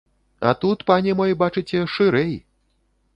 А тут, пане мой, бачыце, шырэй.